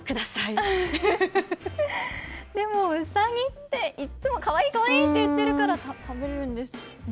でもウサギって、いっつもかわいい、かわいいって言っているから食べるんですかね